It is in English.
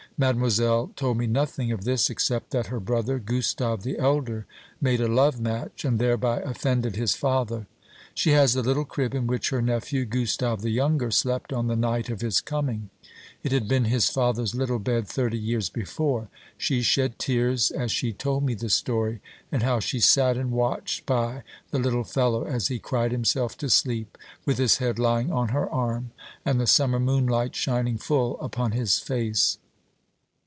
Mademoiselle told me nothing of this, except that her brother, Gustave the elder, made a love match, and thereby offended his father. She has the little crib in which her nephew, Gustave the younger, slept on the night of his coming. It had been his father's little bed thirty years before. She shed tears as she told me the story, and how she sat and watched by the little fellow as he cried himself to sleep with his head lying on her arm, and the summer moonlight shining full upon his face.